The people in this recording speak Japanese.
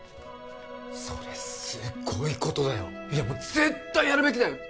それすっごいことだようんいやもう絶対やるべきだよ！